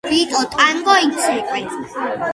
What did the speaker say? ვიტო ტანგო იცეკვეე